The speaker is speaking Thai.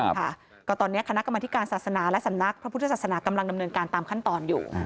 ค่ะก็ตอนนี้คณะกรรมธิการศาสนาและสำนักพระพุทธศาสนากำลังดำเนินการตามขั้นตอนอยู่